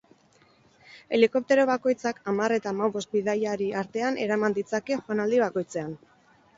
Helikoptero bakoitzak hamar eta hamabost bidaiari artean eraman ditzake joanaldi bakoitzean.